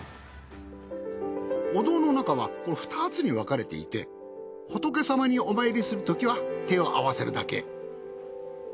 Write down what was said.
お堂の中は２つに分かれていて仏様にお参りするときは手を合わせるだけ。